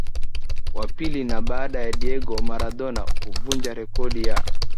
Wa pili na baada ya Diego Maradona kuvunja rekodi ya